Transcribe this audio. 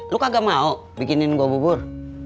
lo kagak mau bikinin gue bobur